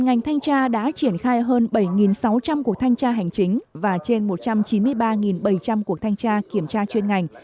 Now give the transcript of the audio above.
ngành thanh tra đã triển khai hơn bảy sáu trăm linh cuộc thanh tra hành chính và trên một trăm chín mươi ba bảy trăm linh cuộc thanh tra kiểm tra chuyên ngành